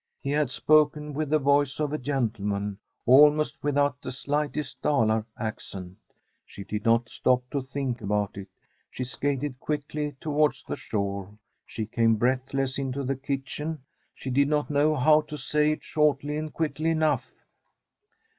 He had spoken with the voice of a gentleman, almost without the slightest Dalar accent. She did not stop to think about it. She skated quickly towards the shore. She came breathless into the kitchen. She did not know how to say it shortly and quickly enough.